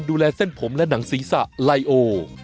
ดูแลเส้นผมและหนังศีรษะไลโอ